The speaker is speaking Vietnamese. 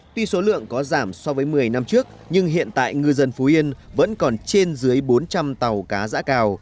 tuy số lượng có giảm so với một mươi năm trước nhưng hiện tại ngư dân phú yên vẫn còn trên dưới bốn trăm linh tàu cá giã cào